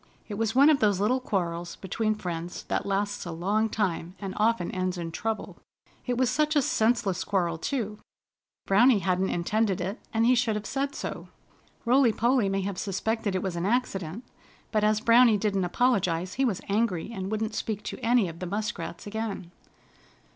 It was one of those little quarrels between friends that lasts a long time, and often ends in trouble. It was such a senseless quarrel, too! Browny hadn't intended it, and he should have said so. Rolly Polly may have suspected it was an accident, but as Browny didn't apologize he was angry, and wouldn't speak to any of the Muskrats again.